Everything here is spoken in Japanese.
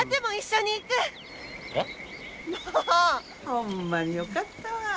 ホンマによかったわ。